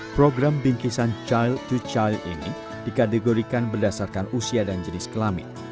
program bingkisan child to child ini dikategorikan berdasarkan usia dan jenis kelamin